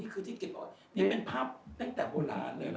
คือภาพแรกในโลก